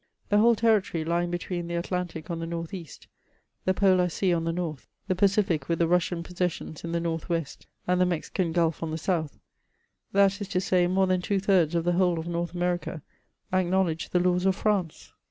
The whole territory lying between the Atlantic on the north east, the Polar Sea on the north, the Pacific with the Russian possessions in the north west, and the Mexican Gulf on the south ; that is to say, more than two thirds of the whole of North America, acknowledged the laws of France.